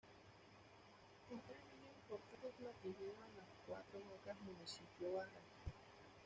Otra vía importante es la que lleva a Las Cuatro Bocas Municipio Mara.